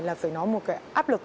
là phải nói một cái áp lực